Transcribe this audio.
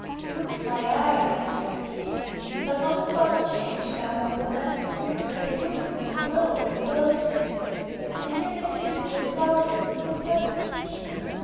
"Look at my eyes," said he; "has not a sudden change come over them? They feel to me swelled and bursting, and yet I see with a clouded and imperfect vision.